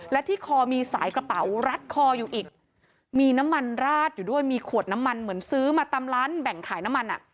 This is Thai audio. และที่คอมีสายกระเป๋ารัดคออยู่อีกมีน้ำมันราดอยู่ด้วยมีขวดน้ำมันเหมือนซื้อมาตามร้านแบ่งขายน้ำมันอ่ะ